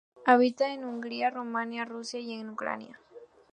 Habita en Hungría, Rumania Rusia y en Ucrania.